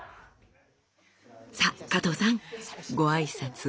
さあ加藤さんご挨拶ご挨拶。